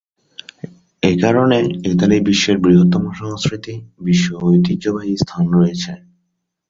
এ কারণে, ইতালি বিশ্বের বৃহত্তম "সংস্কৃতি" বিশ্ব ঐতিহ্যবাহী স্থান রয়েছে।